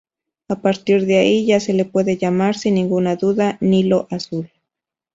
A partir de ahí ya se le puede llamar, sin ninguna duda, Nilo Azul.